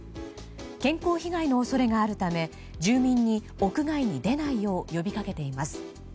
健康被害の恐れがあるため住民に屋外に出ないよう呼びかけています。